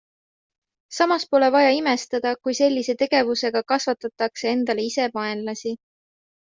Samas pole vaja imestada, kui sellise tegevusega kasvatatakse endale ise vaenlasi.